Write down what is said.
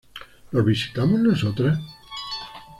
¿No visitamos nosotras?